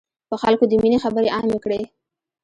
په خلکو د ميني خبري عامي کړی.